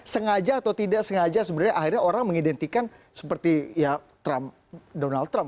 sengaja atau tidak sengaja sebenarnya akhirnya orang mengidentikan seperti donald trump